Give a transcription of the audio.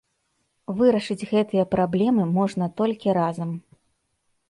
Вырашыць гэтыя праблемы можна толькі разам.